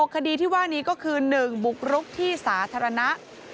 คดีที่ว่านี้ก็คือ๑บุกรุกที่สาธารณะ